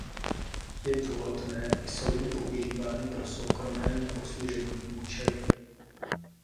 Je druhotné, jsou-li používány pro soukromé nebo služební účely.